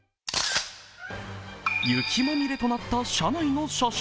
雪まみれとなった車内の写真。